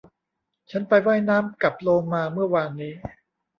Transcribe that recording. ฉันไปว่ายน้ำกับโลมาเมื่อวานนี้